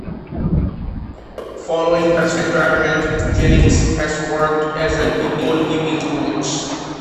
Following his retirement Jennings has worked as a goalkeeping coach.